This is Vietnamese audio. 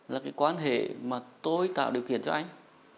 là cái quan hệ mà tôi tạo điều kiện cho anh